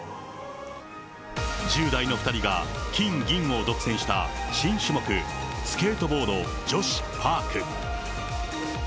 １０代の２人が金、銀を独占した新種目、スケートボード女子パーク。